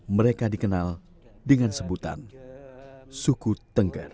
mereka dikenal dengan sebutan suku tengger